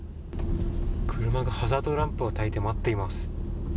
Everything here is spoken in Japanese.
車がハザードランプをたいて待っています。